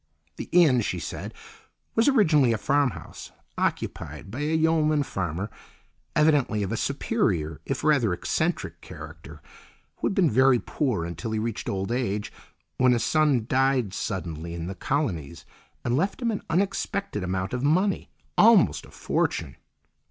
The inn, she said, was originally a farmhouse, occupied by a yeoman farmer, evidently of a superior, if rather eccentric, character, who had been very poor until he reached old age, when a son died suddenly in the Colonies and left him an unexpected amount of money, almost a fortune.